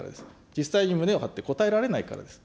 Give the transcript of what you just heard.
実際に胸を張って答えられないからです。